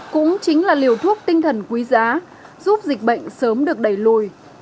cũng chính là liều thuốc tinh thần quý giá giúp dịch bệnh sớm được đẩy lùi